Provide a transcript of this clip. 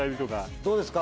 どうですか？